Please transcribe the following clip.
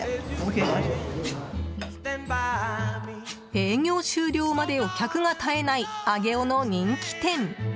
営業終了までお客が絶えない上尾の人気店。